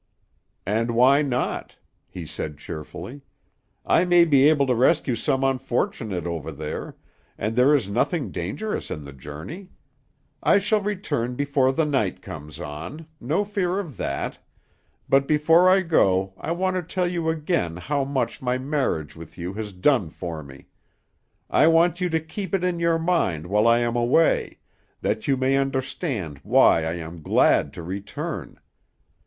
"And why not?" he said cheerfully. "I may be able to rescue some unfortunate over there, and there is nothing dangerous in the journey. I shall return before the night comes on, no fear of that; but before I go I want to tell you again how much my marriage with you has done for me. I want you to keep it in your mind while I am away, that you may understand why I am glad to return.